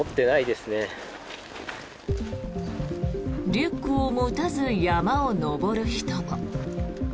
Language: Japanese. リュックを持たず山を登る人も。